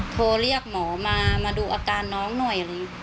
โทรเรียกหมอมาดูอาการน้องหน่อย